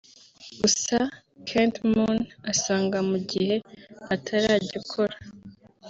gusa CandMoon asanga mu gihe ataragikora